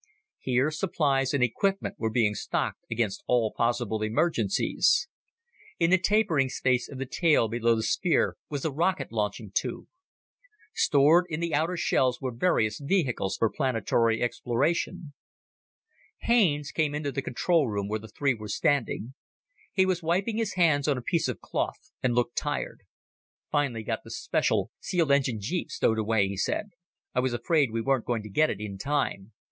Here supplies and equipment were being stocked against all possible emergencies. In the tapering space of the tail below the sphere was a rocket launching tube. Stored in the outer shells were various vehicles for planetary exploration. Haines came into the control room where the three were standing. He was wiping his hands on a piece of cloth, and looked tired. "Finally got the special, sealed engine jeep stowed away," he said. "I was afraid we weren't going to get it in time.